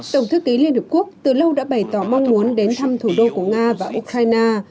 tổng thư ký liên hợp quốc từ lâu đã bày tỏ mong muốn đến thăm thủ đô của nga và ukraine